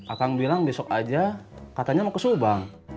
akan bilang besok aja katanya mau ke subang